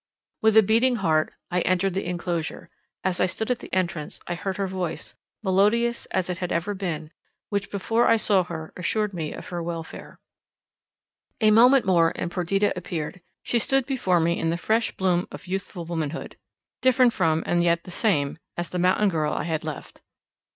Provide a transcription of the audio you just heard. With a beating heart I entered the enclosure; as I stood at the entrance, I heard her voice, melodious as it had ever been, which before I saw her assured me of her welfare. A moment more and Perdita appeared; she stood before me in the fresh bloom of youthful womanhood, different from and yet the same as the mountain girl I had left.